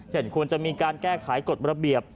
ควรจะมีการแก้ไขกฎระเบียบ